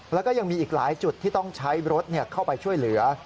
แล้วก็ยังมีอีกหลายจุดที่ต้องใช้รถเข้าไปช่วยเหลือ